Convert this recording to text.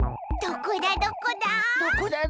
どこだどこだ？